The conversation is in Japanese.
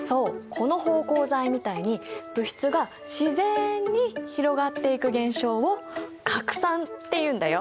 この芳香剤みたいに物質が自然に広がっていく現象を「拡散」っていうんだよ。